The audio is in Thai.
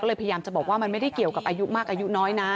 ก็เลยพยายามจะบอกว่ามันไม่ได้เกี่ยวกับอายุมากอายุน้อยนะ